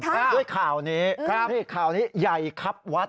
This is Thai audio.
ด้วยข่าวนี้ครับนี่ข่าวนี้ใหญ่ครับวัด